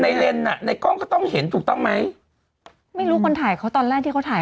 เลนส์อ่ะในกล้องก็ต้องเห็นถูกต้องไหมไม่รู้คนถ่ายเขาตอนแรกที่เขาถ่าย